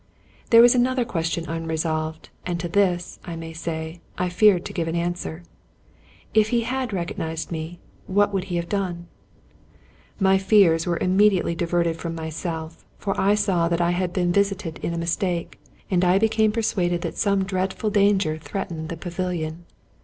There was another question unresolved; and to this, I may say, I feared to give an answer; if he had recognized me, what would he have done? My fears were immediately diverted from myself, for I saw that I had been visited in a mistake ; and I became per suaded that some dreadful danger threatened the pavilion.